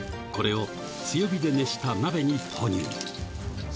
これを強火で熱した鍋に投入